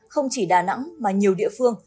không chỉ đà nẵng mà nhiều địa phương